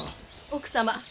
奥様。